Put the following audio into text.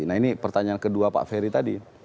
nah ini pertanyaan kedua pak ferry tadi